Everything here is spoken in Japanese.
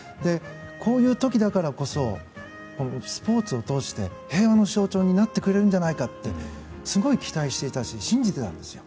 こういう時だからこそスポーツをとおして平和の象徴になってくれるんじゃないかってすごい期待していたし信じていたんですよ。